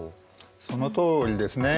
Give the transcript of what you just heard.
そのとおりですね。